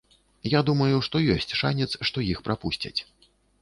Я думаю, што ёсць шанец, што іх прапусцяць.